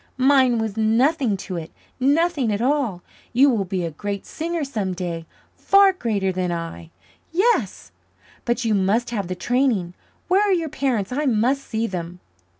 Mine was nothing to it nothing at all. You will be a great singer some day far greater than I yes. But you must have the training. Where are your parents? I must see them."